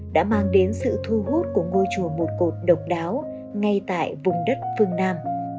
đã mang đến sự thu hút của ngôi chùa một cột độc đáo ngay tại vùng đất phương nam